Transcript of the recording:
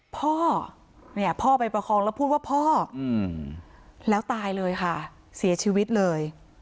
พ่อเนี่ยพ่อไปประคองแล้วพูดว่าพ่อแล้วตายเลยค่ะเสียชีวิตเลย